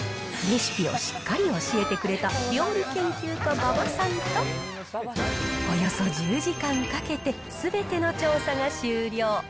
レシピをしっかり教えてくれた、料理研究家、馬場さんと、およそ１０時間かけて、すべての調査が終了。